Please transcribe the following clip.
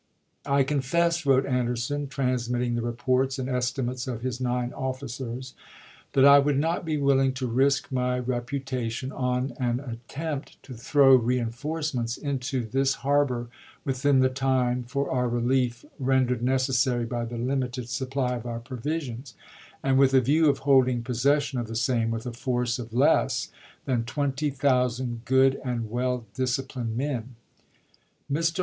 " I confess," wrote Anderson, transmitting the reports and esti mates of his nine officers, "that I would not be willing to risk my reputation on an attempt to throw reinforcements into this harbor within the time for our relief rendered necessary by the limited supply of our provisions, and with a view Anderson of holding possession of the same, with a force of JSSSSSm. less than twenty thousand good and well disci ^^Sam plined men." Mr.